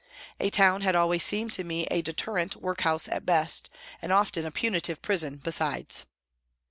A town had always seemed to me a " deterrent " workhouse at best, and often a punitive prison besides.